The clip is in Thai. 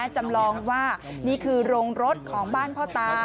จำลองว่านี่คือโรงรถของบ้านพ่อตา